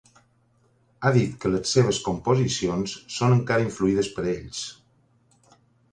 Ha dit que les seves composicions són encara influïdes per ells.